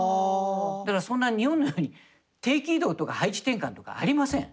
だからそんな日本のように定期異動とか配置転換とかありません。